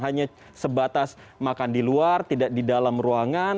hanya sebatas makan di luar tidak di dalam ruangan